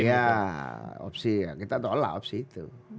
ya opsi ya kita tolak opsi itu